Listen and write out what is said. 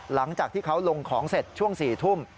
หลังจากที่เขาลงของเสร็จช่วง๔ทุ่ม